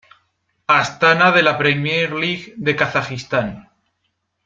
Astana de la Premier League de Kazajistán.